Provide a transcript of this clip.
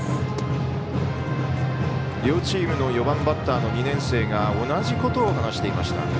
両チームの４番バッターの２年生が同じことを話していました。